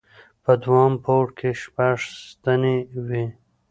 په دوهم پوړ کې شپږ ستنې وې.